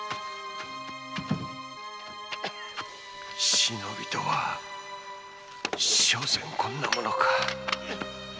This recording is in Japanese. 「忍び」とはしょせんこんなものか。